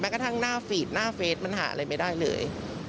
กระทั่งหน้าฟีดหน้าเฟสมันหาอะไรไม่ได้เลย